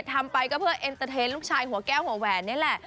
ทำไปก็เพื่อเอ็นเตอร์เทนลูกชายหัวแก้วหัวแหวนนี่แหละ